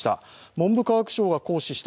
文部科学省が行使した